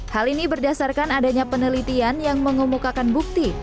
hal ini berdasarkan adanya penelitian yang mengemukakan bukti